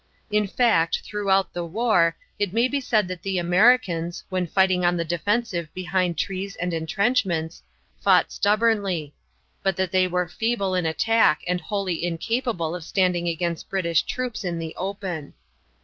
In fact, throughout the war, it may be said that the Americans, when fighting on the defensive behind trees and intrenchments, fought stubbornly; but that they were feeble in attack and wholly incapable of standing against British troops in the open.